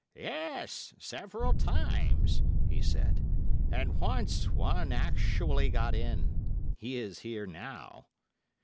'Yes, several times,' he said, 'and once, one actually got in. He is here now.